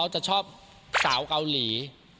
โทษที